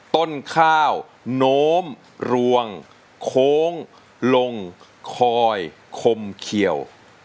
ต้นข้าวโน้มรวงโค้งลงคอยคมเขียว